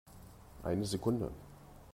Eine Sekunde!